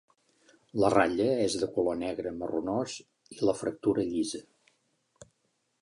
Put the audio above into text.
La ratlla és de color negre marronós i la fractura llisa.